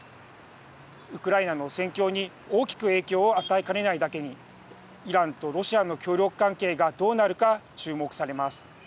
ウクライナの戦況に大きく影響を与えかねないだけにイランとロシアの協力関係がどうなるか注目されます。